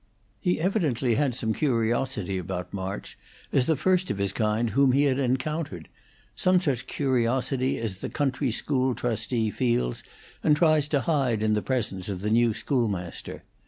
He evidently had some curiosity about March, as the first of his kind whom he had encountered; some such curiosity as the country school trustee feels and tries to hide in the presence of the new schoolmaster.